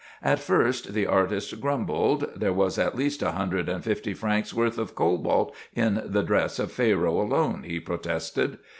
At first, the artist grumbled; there was at least a hundred and fifty francs' worth of cobalt in the dress of Pharaoh alone, he protested.